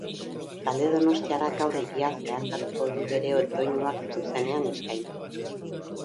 Talde donostiarrak gaur hiria zeharkatuko du bere doinuak zuzenean eskaintzen.